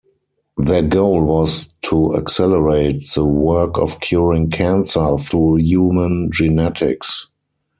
Their goal was to accelerate the work of curing cancer through human genetics.